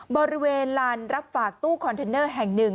บริเวณลานรับฝากตู้คอนเทนเนอร์แห่งหนึ่ง